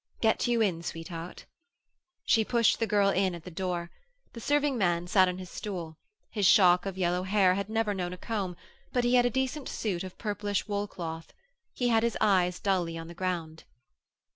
Get you in, sweetheart.' She pushed the girl in at the door. The serving man sat on his stool; his shock of yellow hair had never known a comb, but he had a decent suit of a purplish wool cloth. He had his eyes dully on the ground.